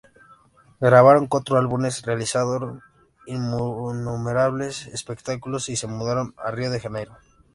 Grabaron cuatro álbumes, realizaron innumerables espectáculos y se mudaron a Río de Janeiro.